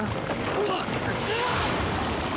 うわっ！